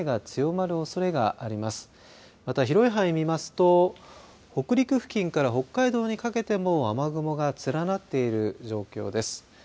また広い範囲、見ますと北陸付近から北海道にかけても雨雲が連なっている状況です。